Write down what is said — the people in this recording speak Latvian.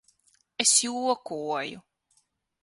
Es jokoju.